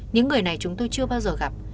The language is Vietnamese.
những người này chúng tôi chưa bao giờ gặp